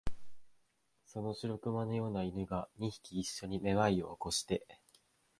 その白熊のような犬が、二匹いっしょにめまいを起こして、